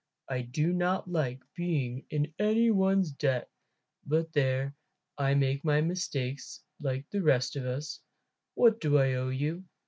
I do not like being in any one's debt. But there, I make mistakes like most of the rest of us. What do I owe you?"